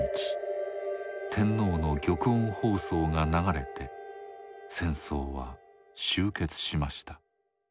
天皇の玉音放送が流れて戦争は終結しました。